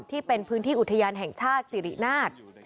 ที่เป็นพื้นที่อุทยานแห่งชาติสิรินาท